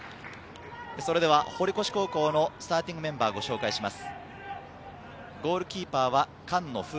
それでは堀越高校のスターティングメンバーをご紹介します。